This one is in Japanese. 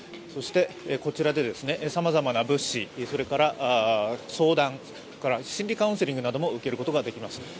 そしてこちらでさまざまな物資、それから相談、心理カウンセリングなども受けることができます。